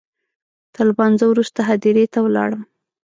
تر لمانځه وروسته هدیرې ته ولاړم.